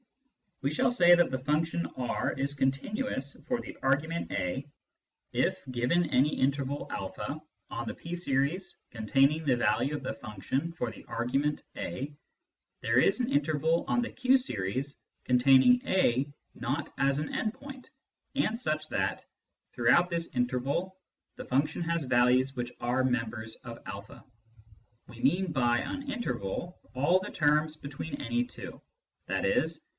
We shall say that the function R is continuous for the argument Limits and Continuity of Functions 1 1 5 a if, given any interval a on the P series containing the value of the function for the argument a, there is an interval on the Q series containing a not as an end point and such that, through out this interval, the function has values which are members of a. (We mean by an " interval " all the terms between any two ; i.e.